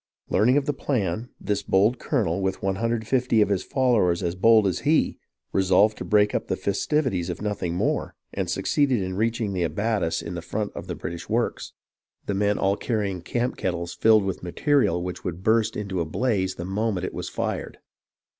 Learning of the plan, this bold colonel, with 150 of his followers as bold as he, resolved to break up the festivities if nothing more, and succeeded in reaching the abatis in BRANDYWINE AND GERMANTOWN 223 front of the British works, the men all carrying camp kettles filled with material which would burst into a blaze the moment it was fired.